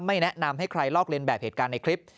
แนะนำให้ใครลอกเลียนแบบเหตุการณ์ในคลิป